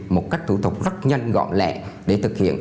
một cách thủ tục rất nhanh gọn lệ để thực hiện